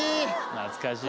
懐かしいね。